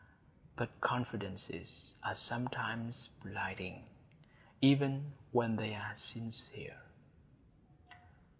But confidences are sometimes blinding, even when they are sincere.